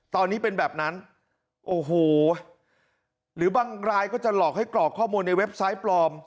ตอนนี้เป็นแบบนั้นโอ้โหหรือบางรายก็จะหลอกให้กรอกข้อมูลในเว็บไซต์ปลอม